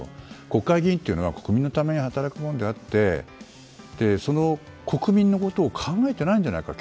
国会議員というのは国民のために働くものであってその国民のことを考えていないんじゃないか。